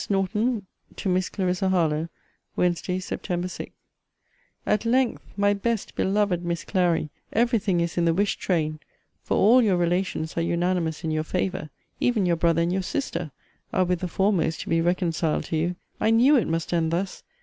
NORTON, TO MISS CLARISSA HARLOWE WEDNESDAY, SEPT. 6. At length, my best beloved Miss Clary, every thing is in the wished train: for all your relations are unanimous in your favour. Even your brother and your sister are with the foremost to be reconciled to you. I knew it must end thus!